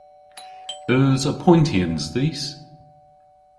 Eus apoyntyans dhis?